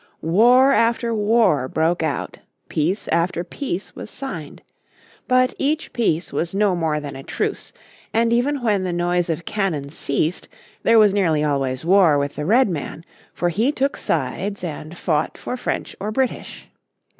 War after war broke out, peace after peace was signed. But each peace was no more than a truce, and even when the noise of cannon ceased there was nearly always war with the Redman, for he took sides and fought for French or British.